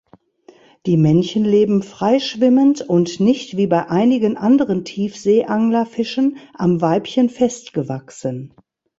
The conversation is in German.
Die Männchen leben freischwimmend und nicht wie bei einigen anderen Tiefsee-Anglerfischen am Weibchen festgewachsen.